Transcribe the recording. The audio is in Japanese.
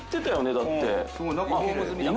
だって。